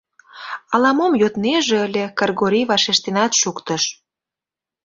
Ала-мом йоднеже ыле, Кыргорий вашештенат шуктыш.